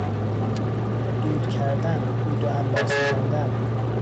دود کردن، عود و عنبر سوزاندن